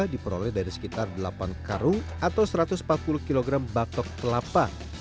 diperoleh dari sekitar delapan karung atau satu ratus empat puluh kg batok kelapa